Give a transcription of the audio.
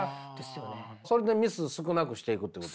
それでミス少なくしていくってこと？